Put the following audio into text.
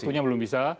waktunya belum bisa